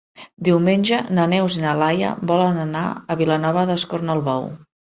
Diumenge na Neus i na Laia volen anar a Vilanova d'Escornalbou.